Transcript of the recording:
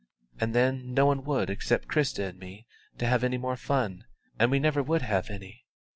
And then no one would expect Christa and me to have any more fun, and we never would have any.